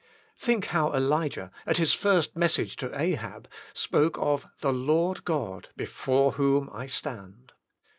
Think how Elijah, at his first message to Ahab, spoke of " the Lord God, before whom I stand.